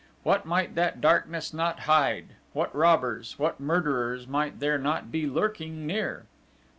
What might that darkness not hide! What robbers, what murderers might there not be lurking near!